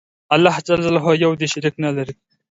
الله ج یو دی شریک نه لری